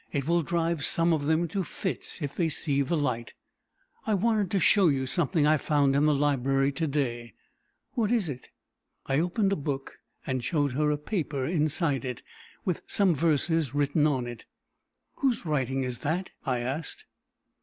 It will drive some of them into fits if they see the light." "I wanted to show you something I found in the library to day." "What is it?" I opened a book, and showed her a paper inside it, with some verses written on it. "Whose writing is that?" I asked.